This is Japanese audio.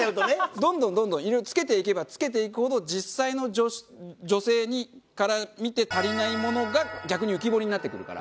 どんどんどんどんいろいろつけていけばつけていくほど実際の女性から見て足りないものが逆に浮き彫りになってくるから。